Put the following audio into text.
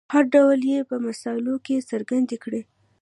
هر ډول یې په مثالونو کې څرګند کړئ.